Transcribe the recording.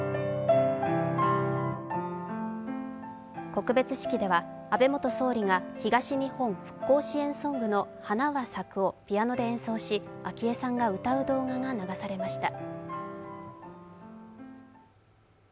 告別式では安倍元総理が東日本復興支援ソングの「花は咲く」をピアノで演奏し、昭恵さんが歌う動画が流されました。